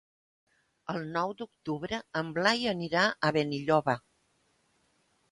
El nou d'octubre en Blai anirà a Benilloba.